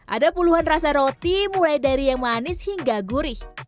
ada puluhan rasa roti mulai dari yang manis hingga gurih